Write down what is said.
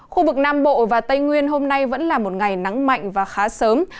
khu vực nam bộ và tây nguyên hôm nay vẫn là một ngày nắng mạnh và khá sớm